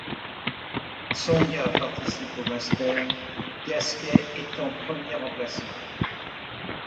Tsonga participe au Masters, Gasquet étant premier remplaçant.